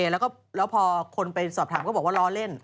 แล้วก็พอคนไปสอบถามก็บอกว่าล้อเล่น